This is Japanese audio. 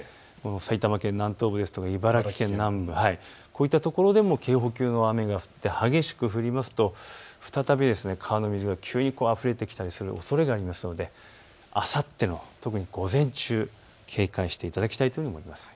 埼玉県南東部ですとか茨城県南部、こういったところでも警報級の雨が降って激しく降ると再び川の水が急にあふれてきたりするおそれがあるのであさっての特に午前中、警戒していただきたいと思います。